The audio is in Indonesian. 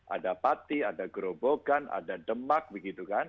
ada pati ada gerobogan ada demak begitu kan